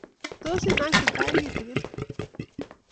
Tos inang' te tai kitikin ii?